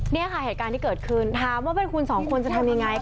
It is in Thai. เนี่ยค่ะเหตุการณ์ที่เกิดขึ้นถามว่าเป็นคุณสองคนจะทำยังไง